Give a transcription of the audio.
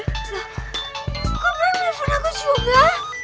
loh kok bram telepon aku juga